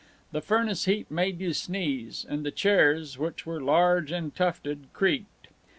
The furnace heat made you sneeze, and the chairs, which were large and tufted, creaked.